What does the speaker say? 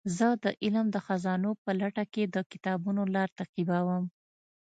زه د علم د خزانو په لټه کې د کتابونو لار تعقیبوم.